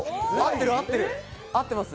合ってます。